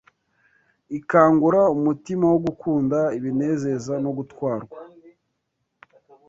Ikangura umutima wo gukunda ibinezeza no gutwarwa